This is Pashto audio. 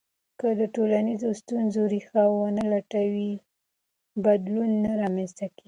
که د ټولنیزو ستونزو ریښه ونه لټوې، بدلون نه رامنځته کېږي.